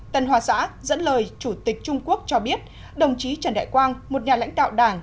tân hoa xã dẫn lời chủ tịch trung quốc cho biết đồng chí trần đại quang một nhà lãnh đạo đảng